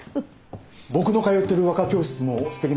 僕の通ってる和歌教室もすてきなところだよ。